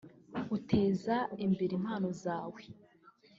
uteza imbere impano zawe